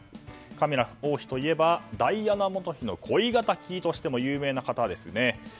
カミラ王妃といえばダイアナ元妃の恋敵としても有名な方ですね。